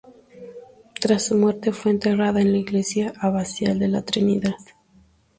Tras su muerte, fue enterrada en la Iglesia abacial de la Trinidad.